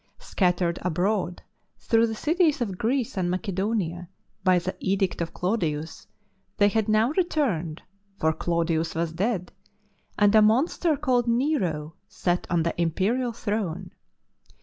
Scat tered abroad through the cities of Greece and Macedonia by the edict of Claudius, they had now returned, for Claudius was dead, and a monster called Nero sat on the imperial throne.